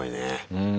うん。